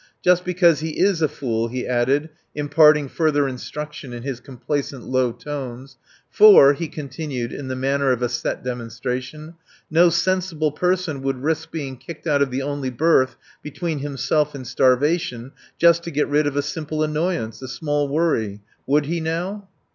"Just because he is a fool," he added, imparting further instruction in his complacent low tones. "For," he continued in the manner of a set demonstration, "no sensible person would risk being kicked out of the only berth between himself and starvation just to get rid of a simple annoyance a small worry. Would he now?"